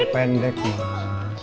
kalau pendek ma